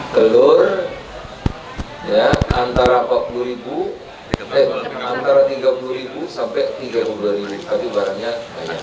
telur antara rp tiga puluh sampai rp tiga puluh dua tapi barangnya banyak